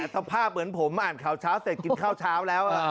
สภาพเหมือนผมอ่านข่าวเช้าเสร็จกินข้าวเช้าแล้ว